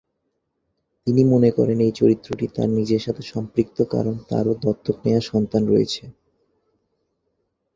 তিনি মনে করেন এই চরিত্রটি তার নিজের সাথে সম্পৃক্ত, কারণ তারও দত্তক নেওয়া সন্তান রয়েছে।